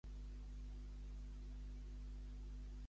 Per què Filònome va maleir Tenes davant Cicne?